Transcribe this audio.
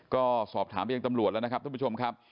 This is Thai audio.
ก็สอบถามไปยังตำรวจแล้วนะครับท่านผู้ชมครับ